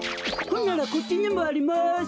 ほんならこっちにもあります。